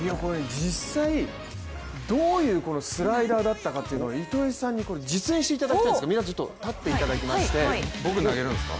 実際、どういうスライダーだったかというのを糸井さんに実演していただきたいんですが、立っていただきまして僕、投げるんですか？